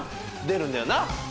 出るんだよな。